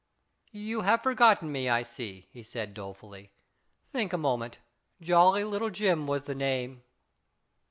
"You have forgotten me, I see/' he said, dolefully. u Think a moment. Jolly Little Jim was the name."